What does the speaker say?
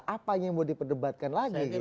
apanya yang mau diperdebatkan lagi gitu